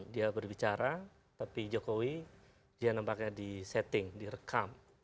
dia berbicara tapi jokowi dia nampaknya disetting direkam